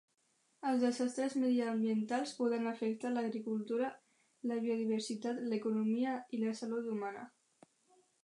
Els desastres mediambientals poden afectar l'agricultura, la biodiversitat, l'economia i la salut humana.